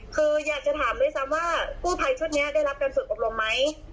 คืออยากจะถามด้วยซ้ำว่ากู้ภัยชุดนี้ได้รับการฝึกอบรมไหม